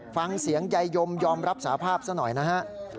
ฟังเสียงยายยมยอมรับสาภาพซะหน่อยนะฮะ